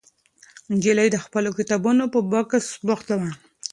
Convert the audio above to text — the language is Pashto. نجلۍ د خپلو کتابونو په بکس بوخته وه.